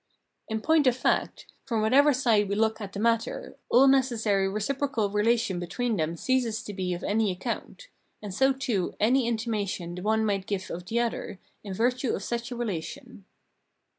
In point of fact, from whatever side we look at the matter, all necessary reciprocal relation between them ceases to be of any account ; and so too any intimation the one might give of the other, in virtue of such a relation.